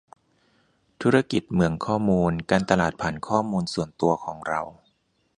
ธุรกิจเหมืองข้อมูล : การตลาดผ่านข้อมูลส่วนตัวของเรา